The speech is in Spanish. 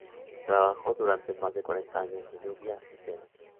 Trabajó durante más de cuarenta años en Nubia y Tebas.